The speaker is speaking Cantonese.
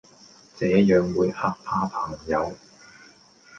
這樣會嚇怕朋友